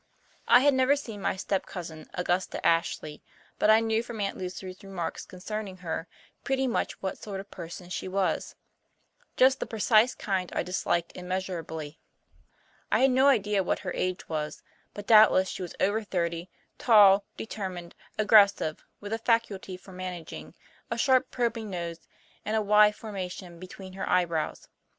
I had never seen my step cousin, Augusta Ashley, but I knew, from Aunt Lucy's remarks concerning her, pretty much what sort of person she was just the precise kind I disliked immeasurably. I had no idea what her age was, but doubtless she was over thirty, tall, determined, aggressive, with a "faculty" for managing, a sharp, probing nose, and a y formation between her eyebrows.